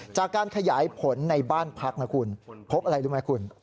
จากการขยายผลในบ้านพักนะคุณพบอะไรรู้ไหมคุณ